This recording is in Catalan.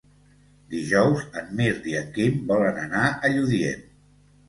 Dijous en Mirt i en Quim volen anar a Lludient.